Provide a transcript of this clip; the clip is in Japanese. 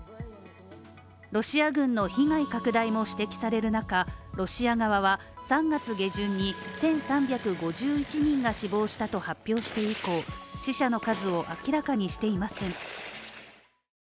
ロシア軍の被害拡大も指摘される中、ロシア側は３月下旬に１３５１人が死亡したと発表して以降死者の数を明らかにしていません。